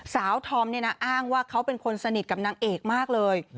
ธอมเนี่ยนะอ้างว่าเขาเป็นคนสนิทกับนางเอกมากเลย